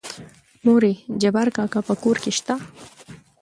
مورې جبار کاکا په کور کې شته؟